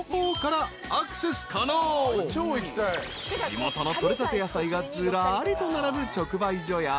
［地元の採れたて野菜がずらりと並ぶ直売所や］